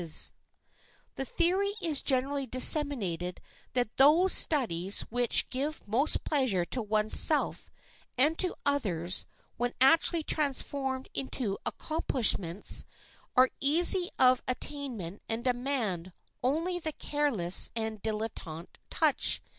[Sidenote: THE DILETTANTE] The theory is generally disseminated that those studies which give most pleasure to one's self and to others when actually transformed into accomplishments are easy of attainment and demand only the careless and dilettante touch.